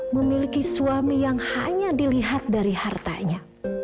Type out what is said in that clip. memiliki suami yang hanya dilihat dari hartanya